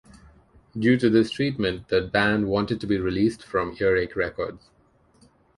Due to this treatment the band wanted to be released from Earache Records.